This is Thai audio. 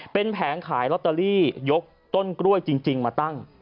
เป็นแผงขายลอตเตอรี่ยกต้นกล้วยจริงมาตั้ง